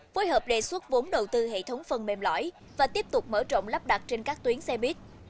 phối hợp đề xuất vốn đầu tư hệ thống phần mềm lõi và tiếp tục mở rộng lắp đặt trên các tuyến xe buýt